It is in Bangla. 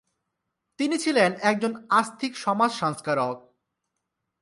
তিনি ছিলেন একজন আস্তিক সমাজ সংস্কারক।